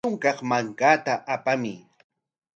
Hatun kaq mankata apamuy.